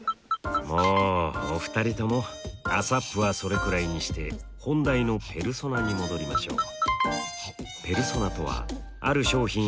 もうお二人ともＡＳＡＰはそれくらいにして本題のペルソナに戻りましょう。